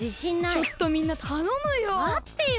ちょっとみんなたのむよ。